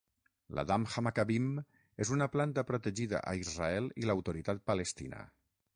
La Dam Hamakabim és una planta protegida a Israel i l'Autoritat Palestina.